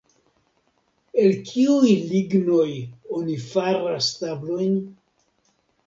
El kiuj lignoj oni faras tablojn?